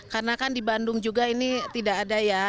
karena kan di bandung juga ini tidak ada ya